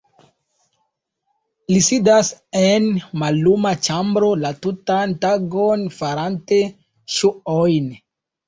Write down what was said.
Li sidas en malluma ĉambro la tutan tagon farante ŝuojn.